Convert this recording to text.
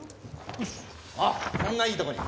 あっそんないいとこに。